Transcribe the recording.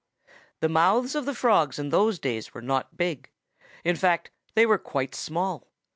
The mouths of the Frogs in those days were not big. In fact, they were quite small.